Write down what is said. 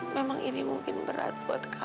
memang ini mungkin berat buat kamu